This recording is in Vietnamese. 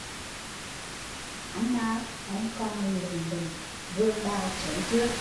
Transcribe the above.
Chồng con mô có anh nào, em còn lựng đựng vườn đào sớm trưa